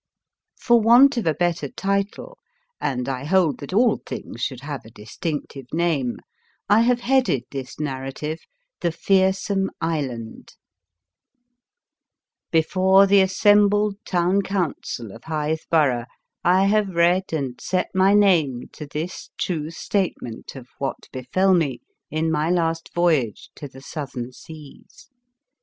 For want of a better title, and I hold that all things should have a distinctive name, I have headed this narrative: The Fearsome Island Before the assembled Town Council of Hythe Borough I have read and set my name to this true statement of what befell me in my last voyage to the South ern Seas.